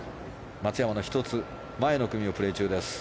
松山の１つ前の組をプレー中です。